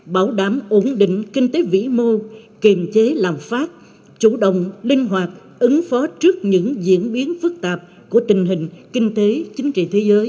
bảo đảm ổn định kinh tế vĩ mô kiềm chế làm phát chủ động linh hoạt ứng phó trước những diễn biến phức tạp của tình hình kinh tế chính trị thế giới